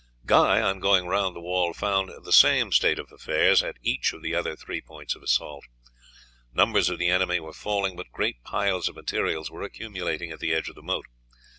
Guy on going round the wall found the same state of things at each of the other three points of assault. Numbers of the enemy were falling, but great piles of materials were accumulating at the edge of the moat.